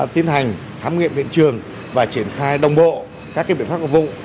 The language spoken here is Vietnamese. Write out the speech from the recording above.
tiến hành thám nghiệm hiện trường và triển khai đồng bộ các biện pháp công vụ